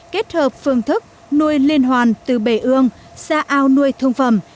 kết hợp phương thức nuôi liên hoàn từ bể ương ra ao nuôi thương phẩm